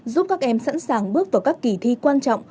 giúp các em sẵn sàng bước vào các kỳ thi quan trọng